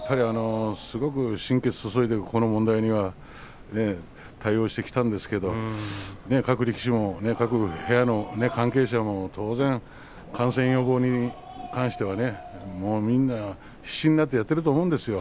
すごく心血注いでこの問題には対応してきたんですけれど各力士も部屋の関係者も当然、感染予防に関しては必死になってやっていると思うんですよ。